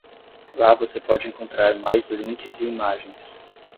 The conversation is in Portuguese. Lá você pode encontrar mais links e imagens.